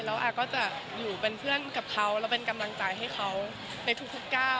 แล้วอาก็จะอยู่เป็นเพื่อนกับเขาแล้วเป็นกำลังใจให้เขาในทุกก้าว